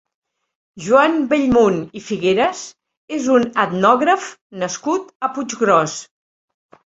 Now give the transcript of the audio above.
Joan Bellmunt i Figueras és un etnògraf nascut a Puiggròs.